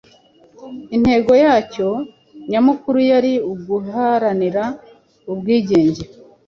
intego yacyo nyamukuru yari uguharanira ubwigenge